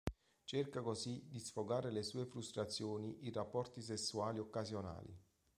Cerca così di sfogare le sue frustrazioni in rapporti sessuali occasionali.